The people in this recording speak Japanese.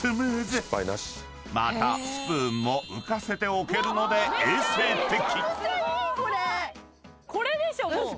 ［またスプーンも浮かせて置けるので衛生的］